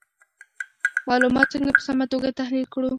معلومات څنګه په سمه توګه تحلیل کړو؟